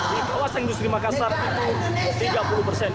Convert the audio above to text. di kawasan industri makassar itu tiga puluh persen